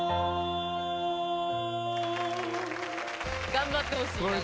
頑張ってほしい。